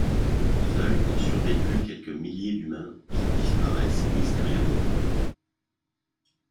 Seuls ont survécu quelques milliers d'humains qui disparaissent mystérieusement.